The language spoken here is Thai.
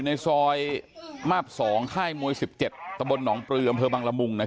ติดเตียงได้ยินเสียงลูกสาวต้องโทรศัพท์ไปหาคนมาช่วย